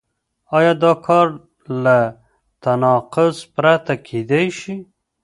آیا دا کار له تناقض پرته کېدای شي؟